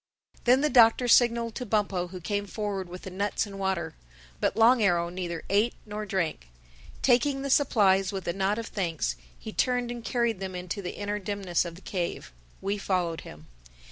Then the Doctor signaled to Bumpo who came forward with the nuts and water. But Long Arrow neither ate nor drank. Taking the supplies with a nod of thanks, he turned and carried them into the inner dimness of the cave. We followed him.